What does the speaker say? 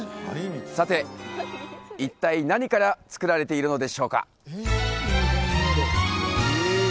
さて一体何から作られているのでしょうか？